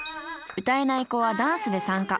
歌えない子はダンスで参加。